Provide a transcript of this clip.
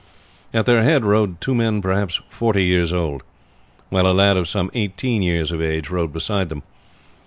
At their head rode two men perhaps forty years old, while a lad of some eighteen years of age rode beside them.